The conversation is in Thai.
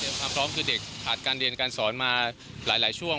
ความพร้อมคือเด็กขาดการเรียนการสอนมาหลายช่วง